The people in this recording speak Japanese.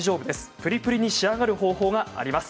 プリプリに仕上がる方法があります。